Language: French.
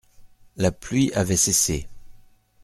La pluie avait cessé.